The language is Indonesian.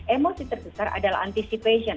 emosi terbesar adalah anticipation